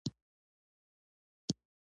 • د شپې خاموشي د طبیعت عجیب غږ لري.